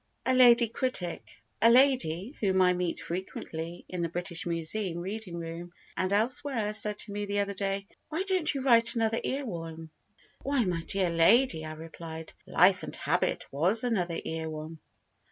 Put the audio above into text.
A Lady Critic A lady, whom I meet frequently in the British Museum reading room and elsewhere, said to me the other day: "Why don't you write another Erewhon?" "Why, my dear lady," I replied, "Life and Habit was another Erewhon."